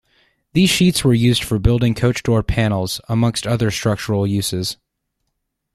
These sheets were used for building coach door panels, amongst other structural uses.